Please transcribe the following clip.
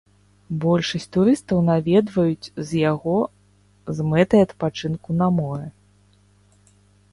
Большасць турыстаў наведваюць з яго з мэтай адпачынку на моры.